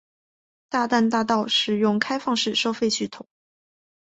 大淡大道使用开放式收费系统。